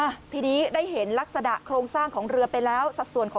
อ่ะทีนี้ได้เห็นลักษณะโครงสร้างของเรือไปแล้วสัดส่วนของ